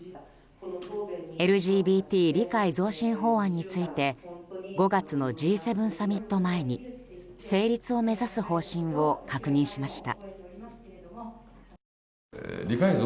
ＬＧＢＴ理解増進法案について５月のＧ７サミット前に成立を目指す方針を確認しました。